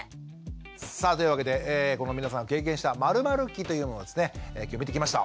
さあというわけでこの皆さん経験した○○期というのをですね今日見てきました。